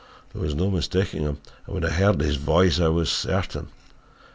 There was no mistaking him, and when I heard his voice I was certain.